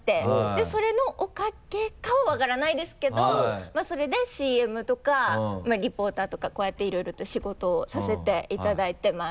でそれのおかげかは分からないですけどそれでＣＭとかリポーターとかこうやっていろいろと仕事をさせていただいてます。